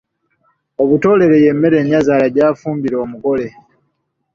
Butolere y’emmere nyazaala gy’afumbira omugole.